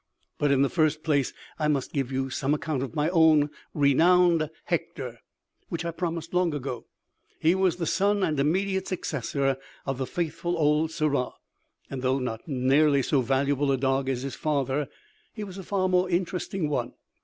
But, in the first place, I must give you some account of my own renowned Hector, which I promised long ago. He was the son and immediate successor of the faithful old Sirrah; and though not nearly so valuable a dog as his father, he was a far more interesting one.